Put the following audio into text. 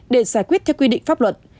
để giải quyết theo quy định pháp luật